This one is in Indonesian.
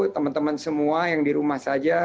teman teman semua yang di rumah saja